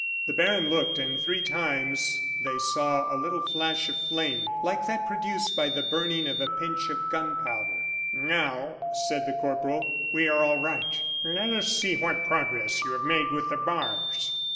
The baron looked, and three times they saw a little flash of flame like that produced by the burning of a pinch of gunpowder. "Now," said the corporal, "we are all right. Let us see what progress you have made with the bars."